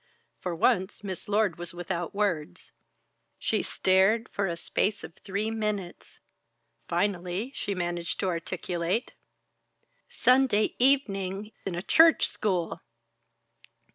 For once, Miss Lord was without words. She stared for a space of three minutes; finally, she managed to articulate: "Sunday evening in a Church school!"